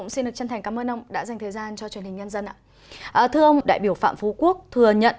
xin mời chị thúy quỳnh